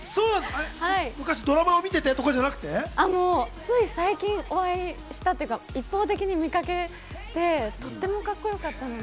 昔、ドラマを見ててとかじゃつい最近、お会いしたというか、一方的に見かけて、とってもカッコよかったので。